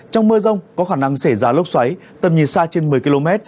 trong mưa rông có khả năng xảy ra lốc xoáy tầm nhìn xa trên một mươi km